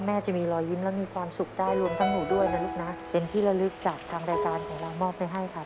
จะมีรอยยิ้มและมีความสุขได้รวมทั้งหนูด้วยนะลูกนะเป็นที่ละลึกจากทางรายการของเรามอบไปให้ครับ